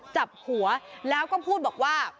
จับหัวแล้วก็พูดบอกว่า